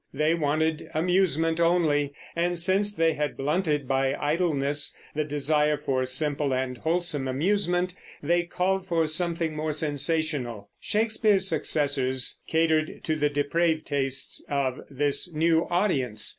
They wanted amusement only, and since they had blunted by idleness the desire for simple and wholesome amusement, they called for something more sensational. Shakespeare's successors catered to the depraved tastes of this new audience.